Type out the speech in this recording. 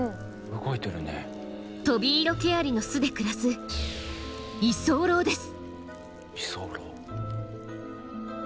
トビイロケアリの巣で暮らす居候です。